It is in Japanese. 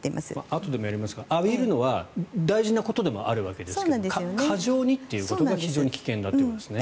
あとでもやりますが浴びるのは大事なことでもあるわけですけど過剰にということが非常に危険だということですね。